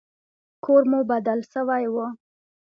کور مو بدل سوى و.